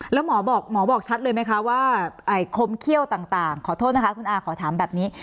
แล้วหมอบอกหมอบอกชัดเลยไหมคะว่าคมเขี้ยวต่างขอโทษนะคะคุณอาขอถามแบบนี้